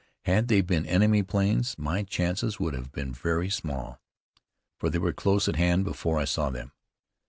Had they been enemy planes my chances would have been very small, for they were close at hand before I saw them.